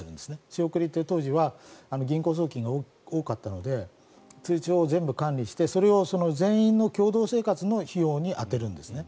仕送りって当時は銀行送金が多かったので通帳を全部管理して全員の共同生活の費用に充てるんですね。